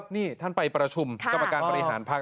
นี่ท่านไปประชุมกรรมการบริหารพัก